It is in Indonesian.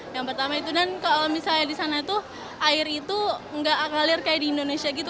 yang pertama itu dan kalau misalnya di sana tuh air itu nggak kalir kayak di indonesia gitu